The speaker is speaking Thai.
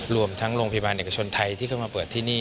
รวมทั้งโรงพยาบาลเอกชนไทยที่เข้ามาเปิดที่นี่